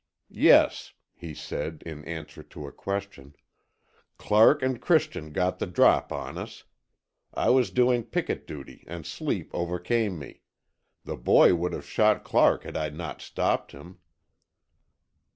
"Yes," he said, in answer to a question, "Clark and Christian got the drop on us. I was doing picket duty and sleep overcame me. The boy would have shot Clark had I not stopped him."